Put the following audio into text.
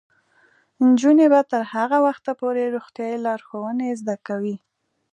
نجونې به تر هغه وخته پورې روغتیايي لارښوونې زده کوي.